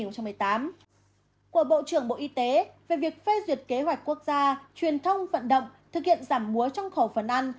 của bộ trưởng bộ y tế về việc phê duyệt kế hoạch quốc gia truyền thông vận động thực hiện giảm múa trong khẩu phần ăn